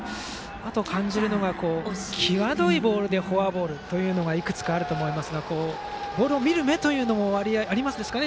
あと感じるのが、際どいボールでフォアボールというのがいくつかあると思いますがボールを見る目というのもわりあい、ありますでしょうかね